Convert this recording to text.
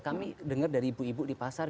kami dengar dari ibu ibu di pasar